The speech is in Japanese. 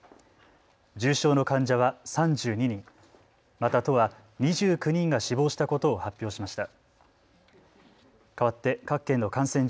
重症の患者は３２人、また都は２９人が死亡したことを発表しました。